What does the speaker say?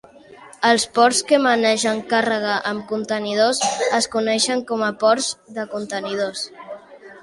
Els ports que manegen càrrega amb contenidors es coneixen com a ports de contenidors.